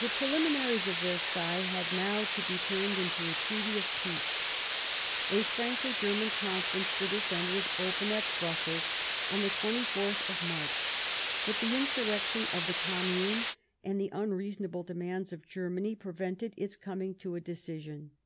The Preliminaries of Versailles had now to be turned into a Treaty of Peace. A Franco German Conference for this end was opened at If FrMSfort Brussels on the 24th of March ; but the insurrection of the Commune, and the un reasonable demands of Germany, prevented its coming to a decision.